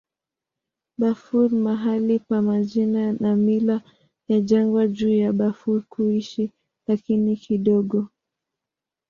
Bafur mahali pa majina na mila ya jangwa juu ya Bafur kuishi, lakini kidogo.